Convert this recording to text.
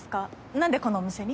何でこのお店に？